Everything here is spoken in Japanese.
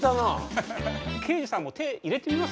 ハハハハ刑事さんも手入れてみます？